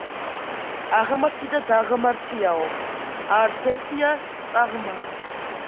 აღმართი და დაღმართიო, არც ერთია წაღმართი